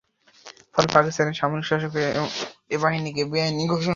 ফলে পাকিস্তানের সামরিক শাসক এ বাহিনীকে বেআইনি ঘোষণা করে।